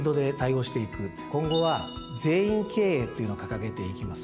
今後は「全員経営」っていうのを掲げていきます。